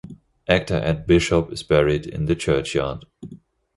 Actor Ed Bishop is buried in the churchyard.